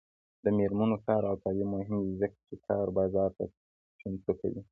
د میرمنو کار او تعلیم مهم دی ځکه چې کار بازار ته چمتو کوي.